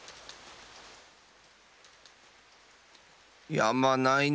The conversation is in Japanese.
やまないな。